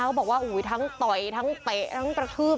เขาบอกว่าทั้งต่อยทั้งเตะทั้งกระทืบ